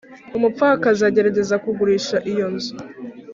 umupfakazi agerageza kugurisha iyo nzu,